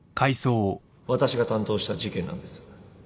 私が担当した事件なんです